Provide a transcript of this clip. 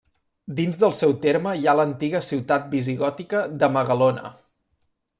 Dins del seu terme hi ha l'antiga ciutat visigòtica de Magalona.